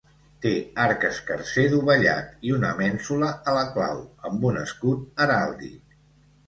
Té arc escarser dovellat, i una mènsula a la clau, amb un escut heràldic.